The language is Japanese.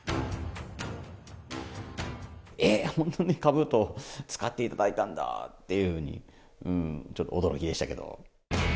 えっ、本当にかぶとを使っていただいたんだっていうふうに、ちょっと驚きでしたけど。